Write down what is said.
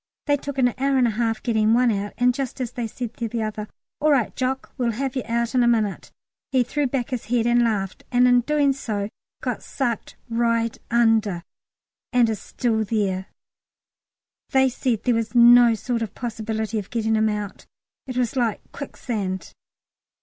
They took an hour and a half getting one out, and just as they said to the other, "All right, Jock, we'll have you out in a minute," he threw back his head and laughed, and in doing so got sucked right under, and is there still. They said there was no sort of possibility of getting him out; it was like a quicksand.